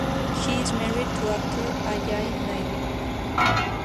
She is married to actor Ajay Naidu.